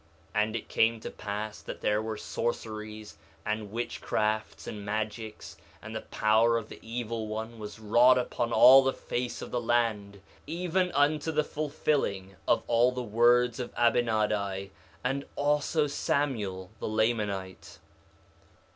1:19 And it came to pass that there were sorceries, and witchcrafts, and magics; and the power of the evil one was wrought upon all the face of the land, even unto the fulfilling of all the words of Abinadi, and also Samuel the Lamanite.